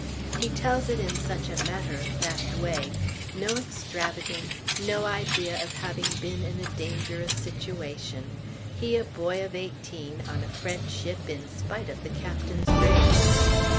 He tells it in such a matter of fact way! No extravagance, no idea of having been in a dangerous situation, he a boy of eighteen, on a French ship in spite of the Captain's rage.